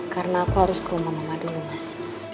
karena aku harus ke rumah mama dulu mas